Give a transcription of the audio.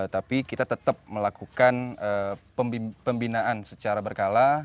tapi kita tetap melakukan pembinaan secara berkala